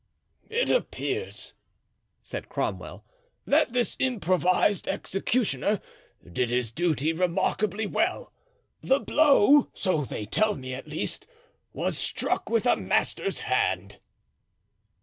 "It appears," said Cromwell, "that this improvised executioner did his duty remarkably well. The blow, so they tell me at least, was struck with a master's hand."